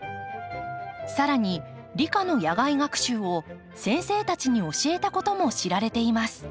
さらに理科の野外学習を先生たちに教えたことも知られています。